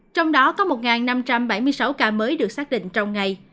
trong đó có một năm trăm bảy mươi sáu ca mới được xác định trong ngày